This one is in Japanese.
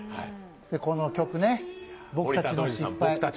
この曲ね、「ぼくたちの失敗」。